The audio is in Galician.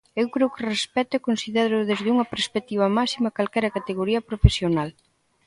Eu creo que respecto e considero desde unha perspectiva máxima calquera categoría profesional.